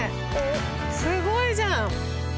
すごいじゃん。